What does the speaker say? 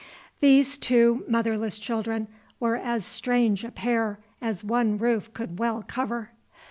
These two motherless children were as strange a pair as one roof could well cover.